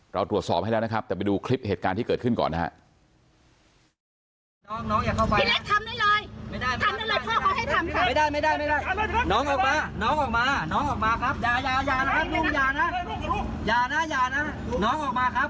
เราตรวจสอบให้แล้วนะครับแต่ไปดูคลิปเหตุการณ์ที่เกิดขึ้นก่อนนะครับ